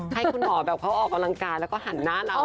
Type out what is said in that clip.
ให้คุณหมอแบบเขาออกกำลังกายแล้วก็หันหน้าเรา